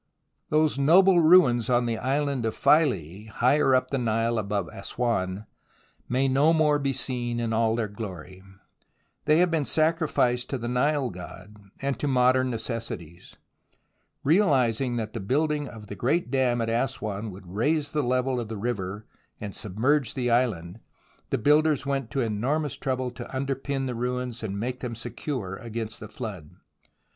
Those noble ruins on the island of Philae higher up the Nile above Assouan may no more be seen in all their glory. They have been sacrificed to the Nile god and to modern necessities. Realizing that the building of the great dam at Assouan would raise the level of the river and submerge the island, the builders went to enormous trouble to underpin the ruins and make them secure against the flood.